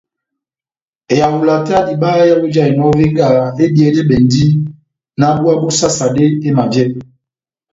Ehawula tɛ́h ya diba yawu ejahinɔ evengaha ebiyedɛbɛndi náh búwa bó sasade emavyɛ.